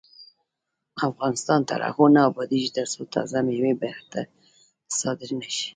افغانستان تر هغو نه ابادیږي، ترڅو تازه میوې بهر ته صادرې نشي.